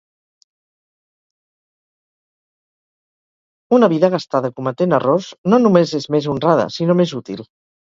Una vida gastada cometent errors no només és més honrada, sinó més útil.